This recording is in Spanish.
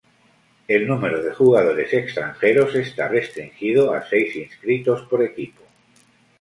El número de jugadores extranjeros está restringido a seis inscritos por equipo.